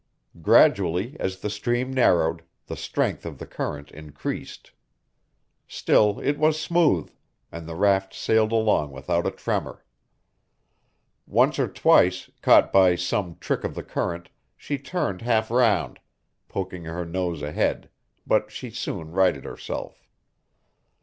Gradually, as the stream narrowed, the strength of the current increased. Still it was smooth, and the raft sailed along without a tremor. Once or twice, caught by some trick of the current, she turned half round, poking her nose ahead, but she soon righted herself.